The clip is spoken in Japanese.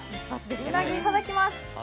うなぎいただきます。